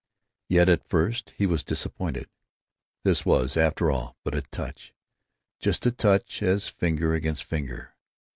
Yet at first he was disappointed. This was, after all, but a touch—just such a touch as finger against finger.